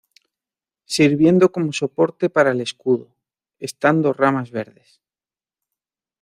Sirviendo como soporte para el escudo, están dos ramas verdes.